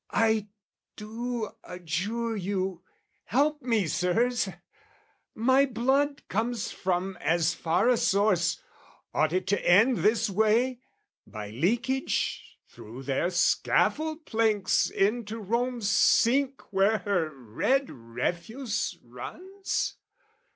I do adjure you, help me, Sirs! My blood Comes from as far a source: ought it to end This way, by leakage through their scaffold planks Into Rome's sink where her red refuse runs?